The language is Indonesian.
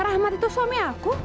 rahmat itu suami aku